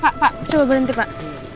pak pak coba berhenti pak